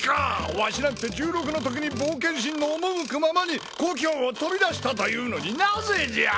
わしなんて１６のときに冒険心の赴くままに故郷を飛び出したというのになぜじゃ！